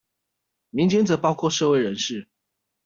民間則包括社會人士